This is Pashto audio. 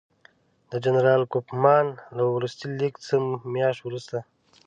د جنرال کوفمان له وروستي لیک څه میاشت وروسته.